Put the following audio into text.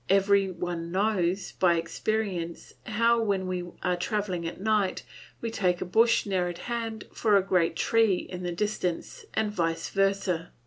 Every one knows by experience how when we are travelling at night we take a bush near at hand for a great tree at a distance, and vice versa.